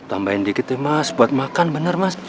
tambahin dikit ya mas buat makan bener mas